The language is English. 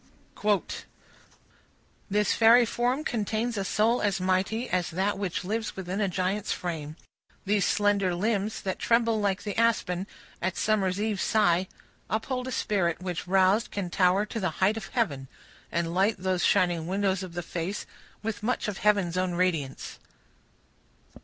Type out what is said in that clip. CHAPTER XII. This fairy form contains a soul as mighty, As that which lives within a giant's frame; These slender limbs, that tremble like the aspen At summer evening's sigh, uphold a spirit, Which, roused, can tower to the height of heaven, And light those shining windows of the face With much of heaven's own radiance.